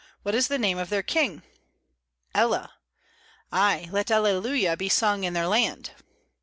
What is the name of their king?" "Ella." "Ay, let alleluia be sung in their land."